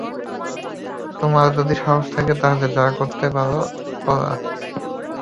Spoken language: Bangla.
তোমার যদি সাহস থেকে, তাহলে যা করতে পারো, করো।